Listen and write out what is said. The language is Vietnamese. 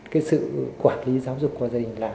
cái sự quản lý giáo dục của gia đình